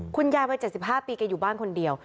คุณยายวัย๗๕ปีแกอยู่บ้านคนเดียว